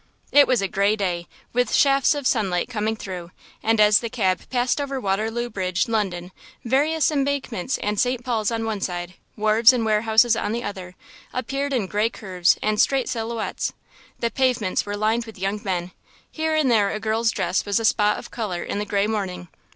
It was a grey day, with shafts of sunlight coming through, and as the cab passed over Waterloo Bridge, London, various embankments and St. Paul's on one side, wharves and warehouses on the other, appeared in grey curves and straight silhouettes. The pavements were lined with young men here and there a girl's dress was a spot of colour in the grey morning.